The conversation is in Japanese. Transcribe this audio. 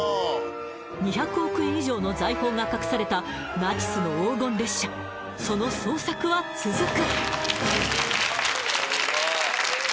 ２００億円以上の財宝が隠されたナチスの黄金列車その捜索は続く・